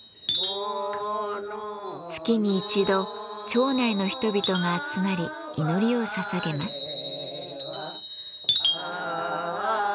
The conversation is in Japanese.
月に一度町内の人々が集まり祈りをささげます。